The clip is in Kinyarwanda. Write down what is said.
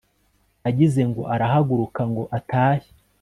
agize ngo arahaguruka ngo atahe